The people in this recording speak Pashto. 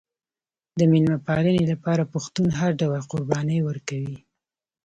د میلمه پالنې لپاره پښتون هر ډول قرباني ورکوي.